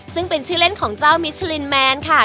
ซึ่งเป็นชื่อเล่นของเจ้ามิชลินแมนค่ะ